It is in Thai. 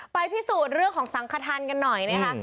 พิสูจน์เรื่องของสังขทานกันหน่อยนะคะ